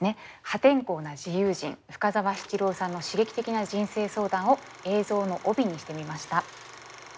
破天荒な自由人深沢七郎さんの刺激的な人生相談を映像の帯にしてみました。